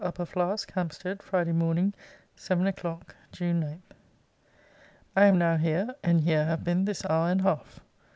UPPER FLASK, HAMPSTEAD. FRI. MORN. 7 O'CLOCK. (JUNE 9.) I am now here, and here have been this hour and half.